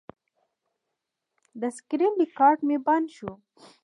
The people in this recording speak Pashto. د سکرین ریکارډ مې بند شو.